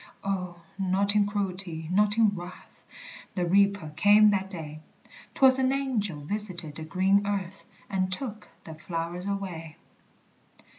O, not in cruelty, not in wrath, The Reaper came that day; 'Twas an angel visited the green earth, And took the flowers away.